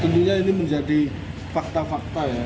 tentunya ini menjadi fakta fakta ya